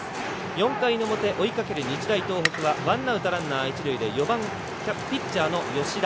４回の表、追いかける日大東北はワンアウト、ランナー、一塁で４番、ピッチャーの吉田。